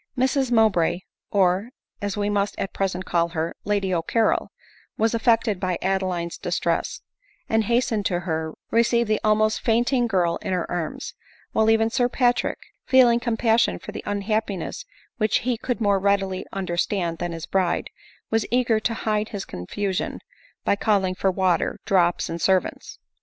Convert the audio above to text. Mrs Mowbray, or, as we must at present call her, Lady CCarrol, was affected by Adeline's distress, and hastening to her, received the almost fainting girl in her arms; while even Sir Patrick, feeling compassion for the unhappiness which he could more readily under stand than his bride, was eager to hide his confusion by calling for water, drops, and servants.